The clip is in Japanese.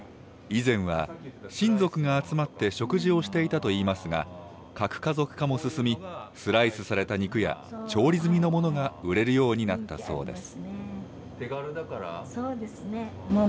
以前は、親族が集まって食事をしていたといいますが、核家族化も進み、スライスされた肉や、調理済みのものが売れるようになったそうです。